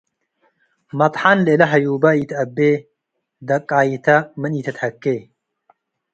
. መጥሐን ለእለ ሀዩበ ኢተአቤ። ደቃይተ ምን ኢትትሀኬ፣